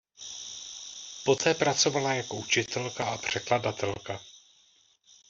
Poté pracovala jako učitelka a překladatelka.